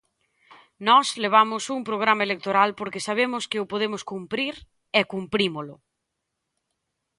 Nós levamos un programa electoral porque sabemos que o podemos cumprir, e cumprímolo.